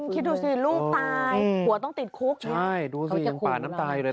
คิดดูสิลูกตายผัวต้องติดคุกใช่ดูสิเขายังป่าน้ำตายเลย